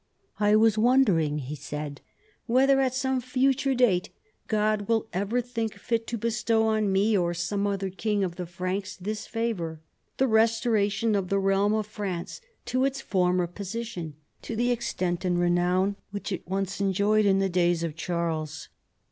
' I was wondering,' he said, 'whether at some future date God will ever think fit to bestow on me or some other king of the Franks this favour — the restoration of the realm of France to its former position, to the extent and the renown which it once enjoyed in the days of Charles.